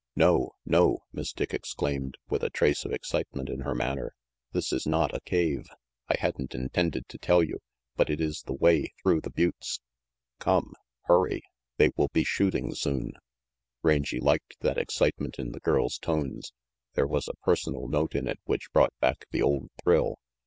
"No! No!" Miss Dick exclaimed, with a trace of excitement in her manner. "This is not a cave. I hadn't intended to tell you, but it is the way through the buttes. Come. Hurry. They will be shooting soon." Rangy liked that excitement in the girl's tones. There was a personal note in it which brought back the old thrill.